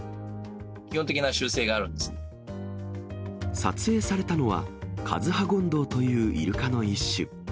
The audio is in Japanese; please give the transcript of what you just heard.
基本的な習性があるん撮影されたのは、カズハゴンドウというイルカの一種。